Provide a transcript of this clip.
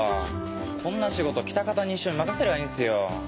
こんな仕事喜多方西署に任せりゃいいんっすよ。